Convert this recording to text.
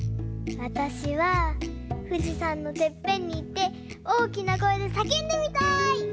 わたしはふじさんのてっぺんにいっておおきなこえでさけんでみたい！